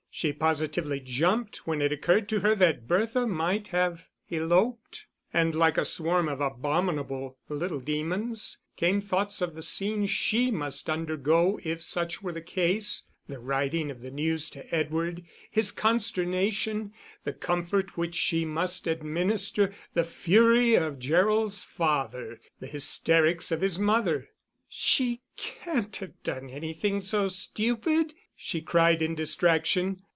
She positively jumped when it occurred to her that Bertha might have eloped: and like a swarm of abominable little demons came thoughts of the scenes she must undergo if such were the case, the writing of the news to Edward, his consternation, the comfort which she must administer, the fury of Gerald's father, the hysterics of his mother. "She can't have done anything so stupid," she cried in distraction.